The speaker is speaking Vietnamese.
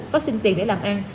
có xin tiền để làm ăn